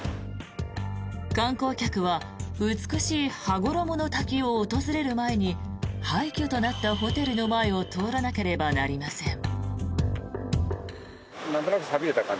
観光客は美しい羽衣の滝を訪れる前に廃虚となったホテルの前を通らなければなりません。